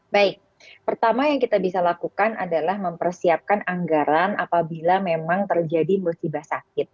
baik pertama yang kita bisa lakukan adalah mempersiapkan anggaran apabila memang terjadi musibah sakit